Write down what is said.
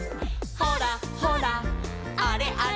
「ほらほらあれあれ」